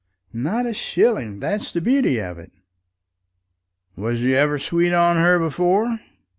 "Not a shilling. That's the beauty of it." "Was you ever sweet on her before?"